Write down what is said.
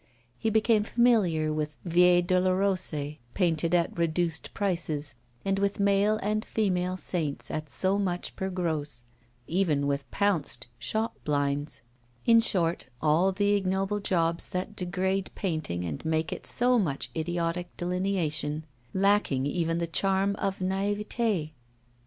He became familiar with 'viae dolorosae' painted at reduced prices, with male and female saints at so much per gross, even with 'pounced' shop blinds in short, all the ignoble jobs that degrade painting and make it so much idiotic delineation, lacking even the charm of naivete.